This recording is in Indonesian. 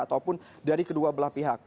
ataupun dari kedua belah pihak